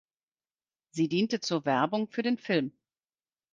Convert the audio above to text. Sie diente zur Werbung für den Film.